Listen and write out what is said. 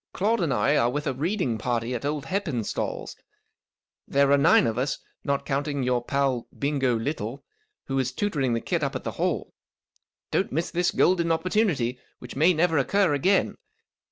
" Claude and I are with a reading party at old HeppenstalTs. There are nine of us, not counting your pal Bingo Little, who is tutoring the kid up at the Hall. "Don't miss this golden opportunity, which may never occur again.